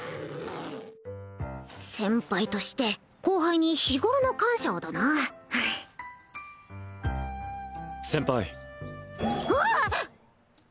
先輩として後輩に日頃の感謝をだな先輩んあっ！